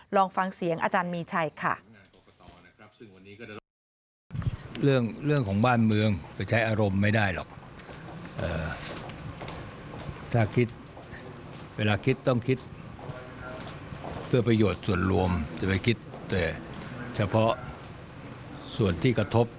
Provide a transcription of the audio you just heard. ลองฟังเสียงอาจารย์มีชัยค่ะ